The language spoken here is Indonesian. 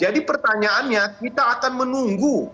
jadi pertanyaannya kita akan menunggu